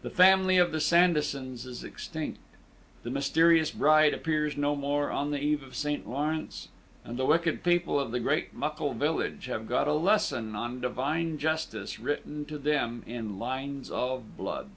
The family of the Sandisons is extinct, the Mysterious Bride appears no more on the Eve of St. Lawrence, and the wicked people of the great muckle village have got a lesson on divine justice written to them in lines of blood.